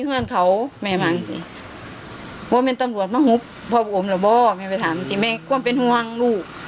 ว่ามันตำรวจมาหุบพ่ออมหรือป่าวพ่อไม่ไปถามสิแล้วว่าไม่ความเป็นห่วงลูก